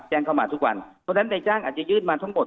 เพราะฉะนั้นในจ้างอาจจะยืดมาทั้งหมด